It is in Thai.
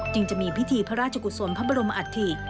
จึงจะมีพิธีพระราชกุศลพระบรมอัฐิ